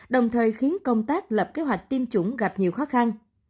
đồng thời khiến công tác lập kế hoạch tiêm chủng gặp nhiều khó khăn